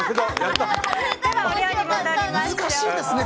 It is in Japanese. では、お料理に戻りましょう。